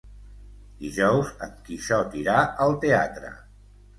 Dijous en Quixot irà al teatre.